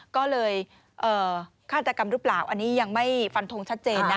ก็เลยฆาตกรรมหรือเปล่าอันนี้ยังไม่ฟันทงชัดเจนนะ